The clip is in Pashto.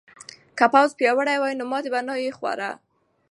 که پوځ پیاوړی وای نو ماتې به یې نه خوړه.